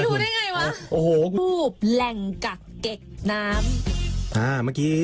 มากูรู้ได้ไงวะโอ้โอ้หูบแหล่งกะเก็กน้ำฮะเมื่อกี่